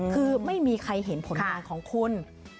คือไม่มีใครเห็นผลงานของคุณ